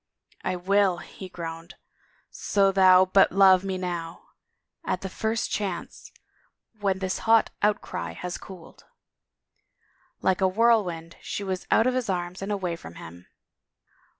" I will," he groaned, " so thou but love me now. At the first chance ... when this hot outcry has cooled." Like a whirlwind she was out of his arms and away from him.